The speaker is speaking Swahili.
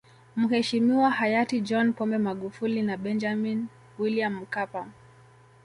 Mheshimiwa hayati John Pombe Magufuli na Benjamin William Mkapa